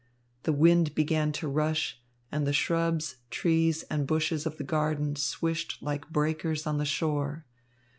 The wind began to rush, and the shrubs, trees and bushes of the garden swished like breakers on the shore.